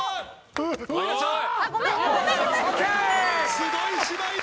すごい姉妹だ！